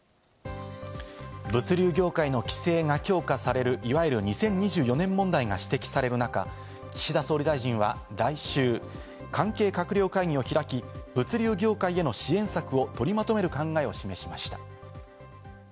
物流業界の規制が強化されるいわゆる２０２４年問題が指摘される中、岸田総理大臣は来週、関係閣僚会議を開き、物流業界への支援策を取りまとめる考えを示しました。